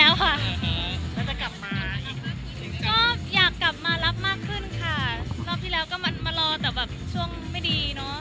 แล้วก็อยากกลับมารับมากขึ้นค่ะรอบที่แล้วก็มารอแต่แบบช่วงไม่ดีเนอะ